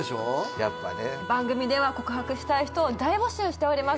やっぱね番組では告白したい人を大募集しております